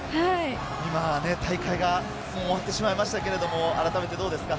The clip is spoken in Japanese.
今大会が終わってしまいましたけど、どうですか？